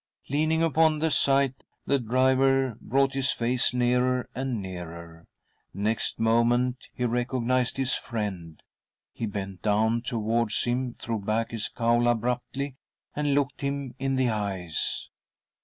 : Leaning upon the scythe, the driver brought his face nearer and nearer ; next moment he recognised his friend. He bent : down towards him, threw back his cowl abruptly, and' looked him in the eyes.